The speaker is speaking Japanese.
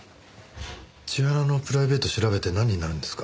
千原のプライベートを調べて何になるんですか？